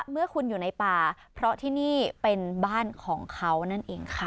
เมื่อคุณอยู่ในป่าเพราะที่นี่เป็นบ้านของเขานั่นเองค่ะ